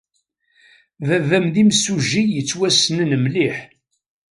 Baba-m d imsujji yettwassnen mliḥ.